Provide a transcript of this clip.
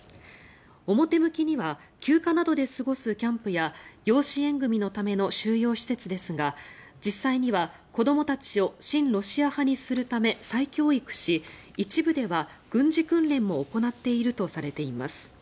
表向きには休暇などで過ごすキャンプや養子縁組のための収容施設ですが実際には子どもたちを親ロシア派にするため再教育し、一部では軍事訓練も行っているとしています。